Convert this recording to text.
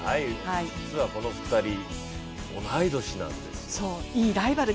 実はこの２人、同い年なんですよ。